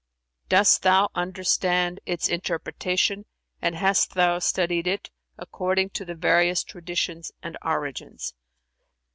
Dost thou understand its interpretation and hast thou studied it, according to the various traditions and origins?"